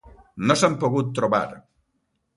No s'han pogut trobar.